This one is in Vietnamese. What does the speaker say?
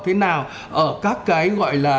thế nào ở các cái gọi là